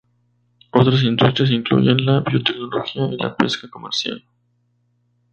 Otras industrias incluyen la biotecnología y la pesca comercial.